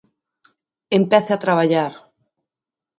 ¡Empece a traballar!